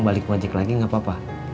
balik wajik lagi gak apa apa